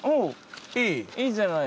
いいじゃない。